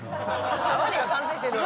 ワニが完成してる。